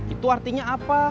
itu artinya apa